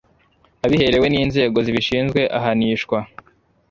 abiherewe n inzego zibishinzwe ahanishwa